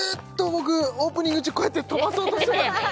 僕オープニング中こうやって飛ばそうとしてたんだよ